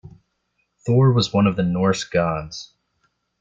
Thor was one of the Norse gods.